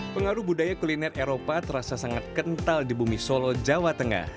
pengaruh budaya kuliner eropa terasa sangat kental di bumi solo jawa tengah